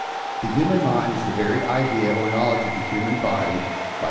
The human mind is the very idea or knowledge of the human body (II.